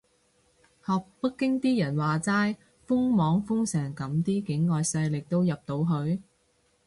學北京啲人話齋，封網封成噉啲境外勢力都入到去？